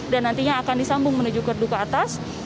dan nantinya akan disambung menuju kerduka atas